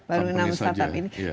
baru enam startup ini